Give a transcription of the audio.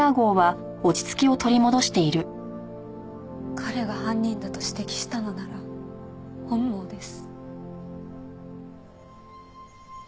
彼が犯人だと指摘したのなら本望です。